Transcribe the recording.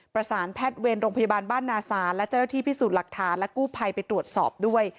ประสานแพทย์เวรโรงพยาบาลบ้านนาศาลและเจ้าหน้าที่พิสูจน์หลักฐานและกู้ภัยไปตรวจสอบด้วย